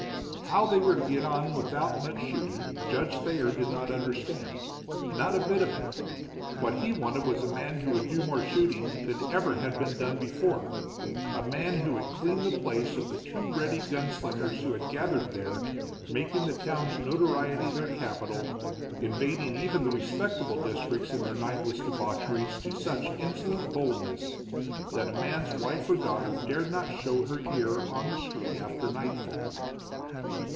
How they were to get on without much shooting, Judge Thayer did not understand. Not a bit of it. What he wanted was a man who would do more shooting than ever had been done before, a man who would clean the place of the too ready gun slingers who had gathered there, making the town's notoriety their capital, invading even the respectable districts in their nightly debaucheries to such insolent boldness that a man's wife or daughter dared not show her ear on the street after nightfall.